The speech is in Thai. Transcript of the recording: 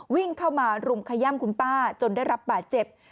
วิ่งเข้ามารุมขย่ำคุณป้าจนได้รับบาดเจ็บ